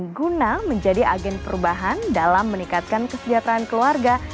guna menjadi agen perubahan dalam meningkatkan kesejahteraan keluarga